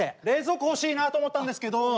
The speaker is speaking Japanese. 冷蔵庫欲しいなと思ったんですけど。